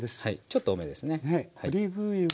ちょっと多めですね。